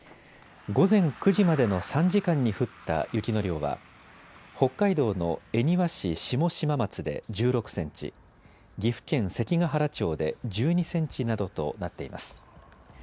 午前９時までの３時間に降った雪の量は北海道の恵庭市下島松で１６センチ、岐阜県関ケ原町で１２センチなどとなっています。